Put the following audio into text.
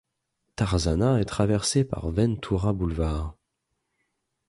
Tarzana est traversé par Ventura Boulevard.